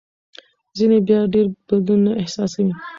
ځینې بیا ډېر بدلون نه احساسوي.